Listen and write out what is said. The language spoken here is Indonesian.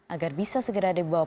agar bisa segera dibawa